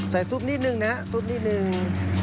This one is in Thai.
ใส่ซุดนิดนึงนะฮะซุดนิดนึง